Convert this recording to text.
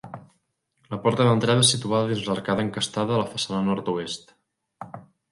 La porta d'entrada és situada dins l'arcada encastada a la façana nord-oest.